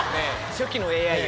初期のＡＩ。